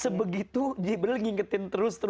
sebegitu jibril ingetin terus terus